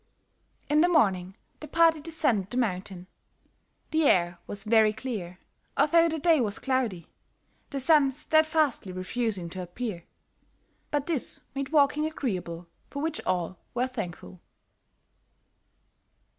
In the morning, the party descended the mountain. The air was very clear, although the day was cloudy, the sun steadfastly refusing to appear; but this made walking agreeable for which all were thankful.